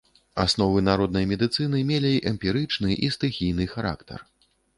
Асновы народнай медыцыны мелі эмпірычны і стыхійны характар.